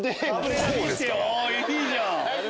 いいじゃん！